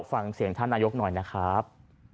ฟังเสียงท่านนายกหน่อยนะครับ